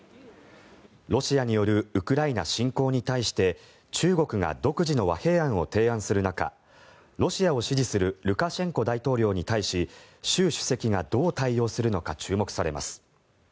ロシアによるウクライナ侵攻に対して中国が独自の和平案を提案する中ロシアを支持するルカシェンコ大統領に対し習主席がどう対応するのか注目されます。